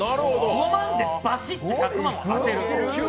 ５万でバシッと１００万を当てる。